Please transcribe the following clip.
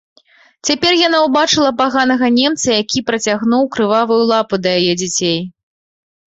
Цяпер яна ўбачыла паганага немца, які працягнуў крывавую лапу да яе дзяцей.